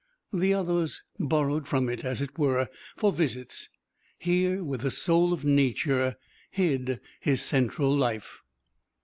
The others borrowed from it, as it were, for visits. Here, with the soul of Nature, hid his central life.